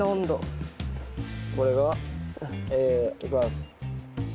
これがえいきます。